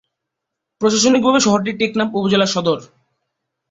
প্রশাসনিকভাবে শহরটি টেকনাফ উপজেলার সদর।